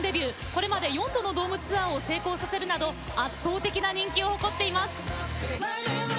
これまで４度のドームツアーを成功させるなど圧倒的な人気を誇っています。